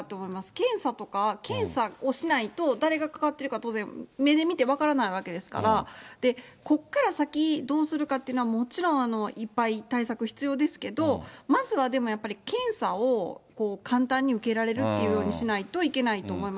検査とか、検査をしないと誰がかかってくるか当然、目で見て分からないわけですから、ここから先、どうするかっていうのはもちろん、いっぱい対策必要ですけど、まずはでもやっぱり、検査を簡単に受けられるっていうようにしないといけないと思いま